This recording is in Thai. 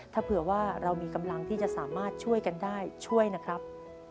ถ้าเผื่อว่าเรามีกำลังที่จะสามารถช่วยกันได้ช่วยนะครับ